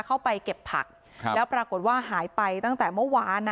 เข้าไปเก็บผักแล้วปรากฏว่าหายไปตั้งแต่เมื่อวานนะ